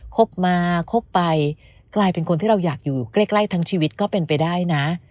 คบมาคบไปกลายเป็นคนที่เราอยากอยู่ใกล้ทั้งชีวิตก็เป็นไปได้นะ